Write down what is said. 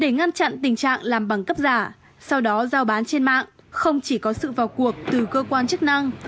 để ngăn chặn tình trạng làm bằng cấp giả sau đó giao bán trên mạng không chỉ có sự vào cuộc từ cơ quan chức năng